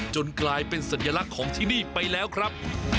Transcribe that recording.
กลายเป็นสัญลักษณ์ของที่นี่ไปแล้วครับ